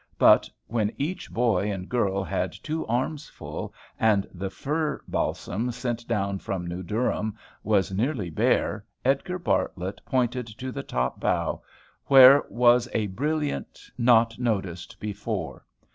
But, when each boy and girl had two arms full, and the fir balsam sent down from New Durham was nearly bare, Edgar Bartlett pointed to the top bough, where was a brilliant not noticed before.